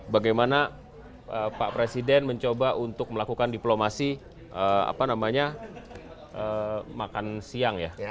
bagaimana pak presiden mencoba untuk melakukan diplomasi makan siang ya